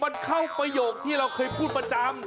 มันเข้าประโยคที่เราเคยพูดประจำ